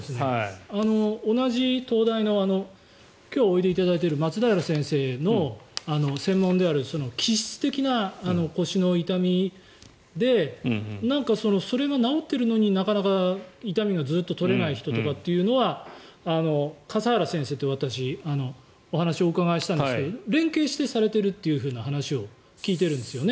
同じ東大の今日おいでいただいている松平先生の専門である器質的な腰の痛みでなんかそれが治っているのに痛みがずっと取れない人というのは笠原先生と私、お話を伺ったんですが連携してされているという話を聞いてるんですよね。